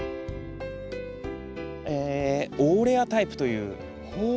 えオーレアタイプという。